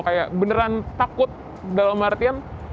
kayak beneran takut dalam artian